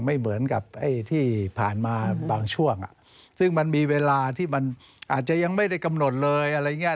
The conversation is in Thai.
ไม่เหมือนกับไอ้ที่ผ่านมาบางช่วงซึ่งมันมีเวลาที่มันอาจจะยังไม่ได้กำหนดเลยอะไรอย่างนี้